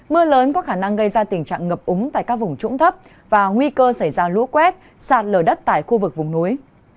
mưa lớn có khả năng gây ra tình trạng ngập úng tại các vùng trũng thấp và nguy cơ xảy ra lũ quét sạt lở đất tại khu vực vùng núi